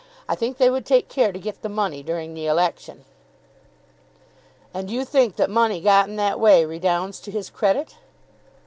I think they would take care to get the money during the election." "And you think that money got in that way redounds to his credit?"